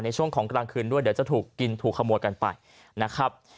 ช่วงของกลางคืนด้วยเดี๋ยวจะถูกกินถูกขโมยกันไปนะครับ